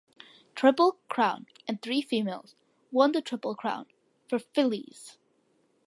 Triple Crown and three females won the Triple Crown for fillies.